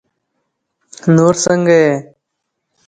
نور څنګه يې؟